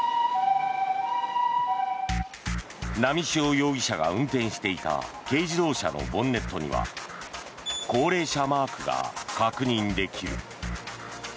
波汐容疑者が運転していた軽自動車のボンネットには高齢者マークが確認できる。